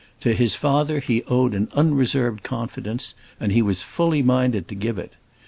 To his father he owed an unreserved confidence; and he was fully minded to give it.